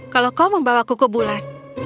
kalau kau membawaku ke bulan